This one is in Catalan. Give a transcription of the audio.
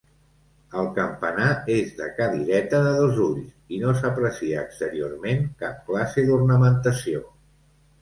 El campanar és de cadireta de dos ulls, i no s'aprecia exteriorment cap classe d'ornamentació.